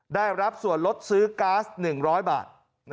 ได้รับส่วนลดซื้อก๊าซ๑๐๐บาท